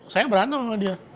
saya berantem sama dia